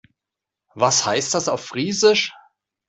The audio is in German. Was heißt das auf Friesisch?